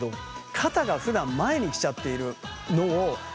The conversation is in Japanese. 肩がふだん前に来ちゃっているのをある意味